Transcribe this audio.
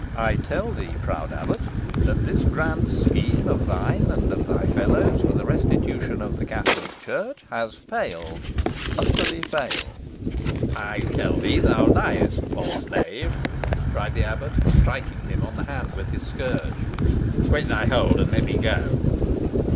I tell thee, proud abbot, that this grand scheme of thine and of thy fellows, for the restitution of the Catholic Church, has failed utterly failed." "I tell thee thou liest, false knave!" cried the abbot, striking him on the hand with his scourge. "Quit thy hold, and let me go."